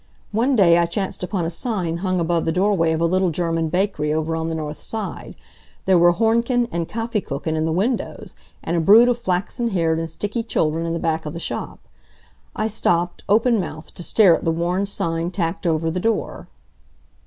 One day I chanced upon a sign hung above the doorway of a little German bakery over on the north side. There were Hornchen and Kaffeekuchen in the windows, and a brood of flaxen haired and sticky children in the back of the shop. I stopped, open mouthed, to stare at the worn sign tacked over the door.